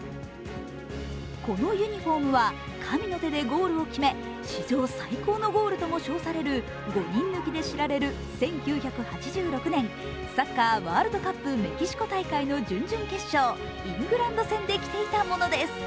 このユニフォームは神の手でゴールを決め、史上最高のゴールとも称される５人抜きで知られる１９８６年、サッカーワールドカップメキシコ大会の準々決勝、イングランド戦で着ていたものです。